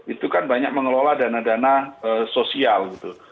itu kan banyak mengelola dana dana sosial gitu